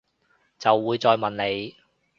就會再問你